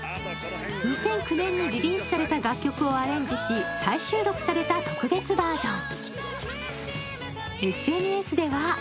２００９年にリリースされた楽曲をアレンジし再収録された特別バージョン。